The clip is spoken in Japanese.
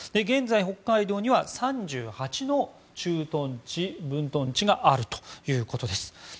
現在、北海道には３８の駐屯地、分屯地があるということです。